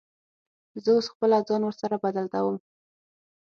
زه اوس خپله ځان ورسره بلدوم.